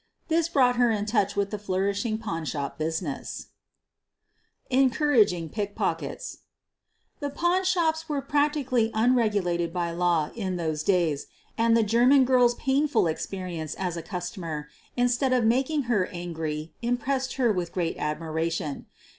This brought her in touch with the flourishing pawn shop business. QUEEN OF THE BUR&LARS 189 ENCOURAGING PICKPOCKETS The pawn shops were practically unregulated by law in those days and the German girl's painful ex perience as a customer, instead of making her an gry, impressed her with great admiration.